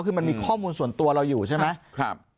คือมันมีข้อมูลส่วนตัวเราอยู่ใช่ไหม